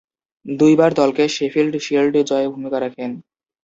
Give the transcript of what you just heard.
দুইবার দলকে Sheffield Shield জয়ে ভূমিকা রাখেন।